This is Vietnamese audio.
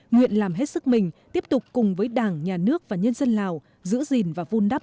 nguyện làm hết sức mình tiếp tục cùng với đảng nhà nước và nhân dân lào giữ gìn và vun đắp